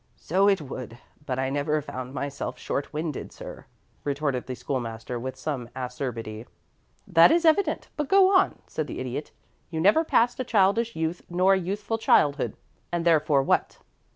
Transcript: "So it would, but I never found myself short winded, sir," retorted the School master, with some acerbity. "That is evident; but go on," said the Idiot. "You never passed a childish youth nor a youthful childhood, and therefore what?"